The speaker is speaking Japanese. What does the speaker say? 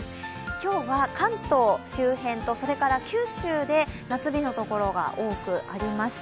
今日は関東周辺と九州で夏日の所が多くありました。